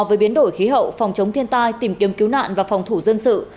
với biến đổi khí hậu phòng chống thiên tai tìm kiếm cứu nạn và phòng thủ dân sự